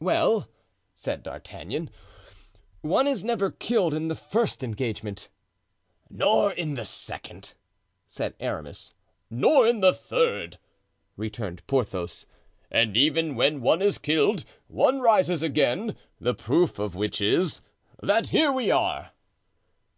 "Well," said D'Artagnan, "one is never killed in a first engagement." "Nor in the second," said Aramis "Nor in the third," returned Porthos; "and even when one is killed, one rises again, the proof of which is, that here we are!"